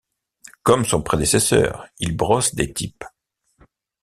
Comme son prédécesseur, il brosse des types.